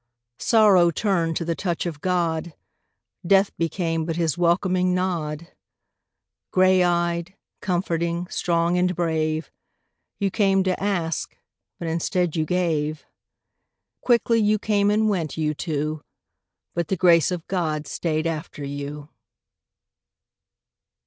Sorrow turned to the touch of God, Death became but His welcoming nod. Grey eyed, comforting, strong and brave, You came to ask but instead you Quickly you came and went, you two, But the Grace of God stayed after you.